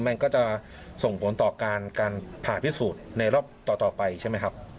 มันก็จะส่งผลต่อการผ่าพิสูจน์ในรอบต่อไปใช่ไหมครับ